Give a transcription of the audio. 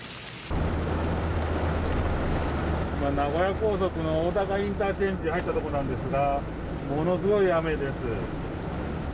名古屋高速の大高インターチェンジ入ったところなんですが、ものすごい雨です。